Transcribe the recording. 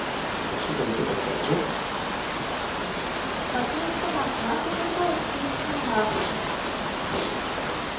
町の人が不安の言葉を口にしたのは。